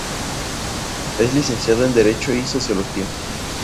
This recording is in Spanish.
Es licenciado en Derecho y Sociología.